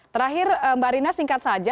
terakhir mbak rina singkat saja